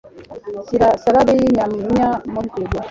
shyira salade y'inyanya muri firigo